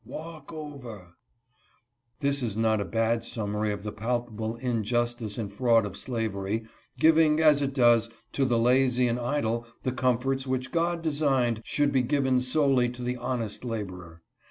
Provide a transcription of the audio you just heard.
Walk over — This is not a bad summary of the palpable injustice and fraud of slavery, giving, as it does, to the lazy and idle the comforts which God designed should be given solely to the honest laborer.